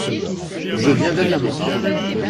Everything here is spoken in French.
Je viens d’Amérique.